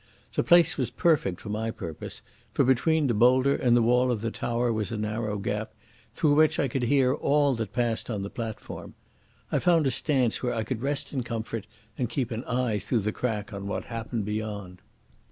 The place was perfect for my purpose, for between the boulder and the wall of the tower was a narrow gap, through which I could hear all that passed on the platform. I found a stance where I could rest in comfort and keep an eye through the crack on what happened beyond.